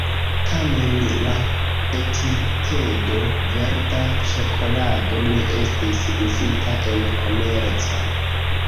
Tamen la etikedo “verda ĉokolado ne estis uzita en komerco.